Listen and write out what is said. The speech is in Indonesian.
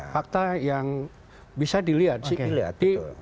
fakta yang bisa dilihat sih